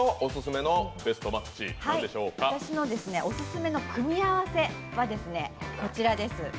私のオススメの組み合わせはこちらです。